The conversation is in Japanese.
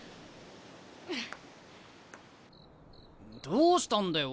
どうしたんだよ